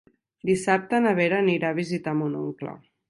Dissabte na Vera anirà a visitar mon oncle.